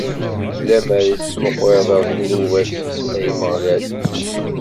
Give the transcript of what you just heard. Lemmer i tettmuquleḍ ɣer ddnubat, ay Ameɣlal.